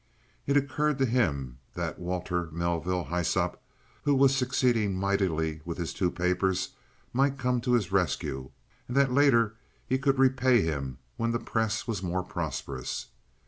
It occurred to him that Walter Melville Hyssop, who was succeeding mightily with his two papers, might come to his rescue, and that later he could repay him when the Press was more prosperous.